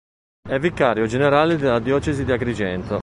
È vicario generale della diocesi di Agrigento.